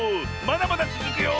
まだまだつづくよ。